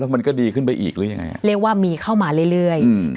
มันก็ดีขึ้นไปอีกหรือยังไงอ่ะเรียกว่ามีเข้ามาเรื่อยเรื่อยอืม